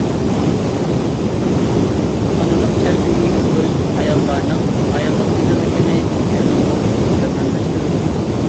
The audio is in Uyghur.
ئانىلىق شەرىپىگە ئىگە بولۇش ئاياللارنىڭ ئاياللىق گۈزەللىكىنى تېخىمۇ مۇكەممەللەشتۈرىدۇ.